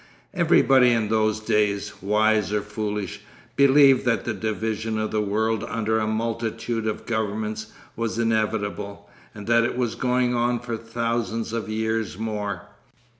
Everybody in those days, wise or foolish, believed that the division of the world under a multitude of governments was inevitable, and that it was going on for thousands of years more.